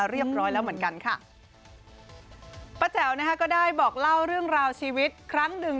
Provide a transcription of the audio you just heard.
เรียบร้อยแล้วเหมือนกันค่ะป้าแจ๋วนะคะก็ได้บอกเล่าเรื่องราวชีวิตครั้งหนึ่ง